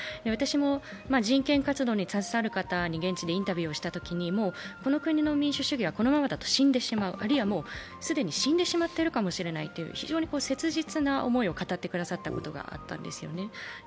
私も人権活動に携わる方に現地でインタビューしたときにこの国の民主主義はこのままだと死んでしまう、あるいは既に死んでしまっているかもしれないという、非常に切実な思いを語ってくださったんですね。